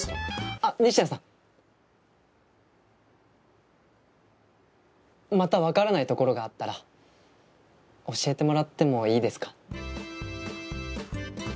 あっ仁科さん！また分からないところがあったら教えてもらってもいいですか？